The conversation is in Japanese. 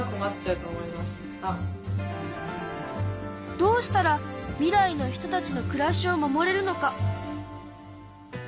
どうしたら未来の人たちの暮らしを守れるのか？